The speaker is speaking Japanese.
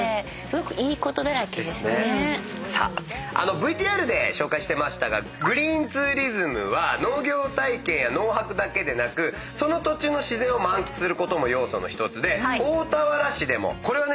ＶＴＲで紹介してましたがグリーンツーリズムは農業体験や農泊だけでなくその土地の自然を満喫することも要素の１つで大田原市でもこれはね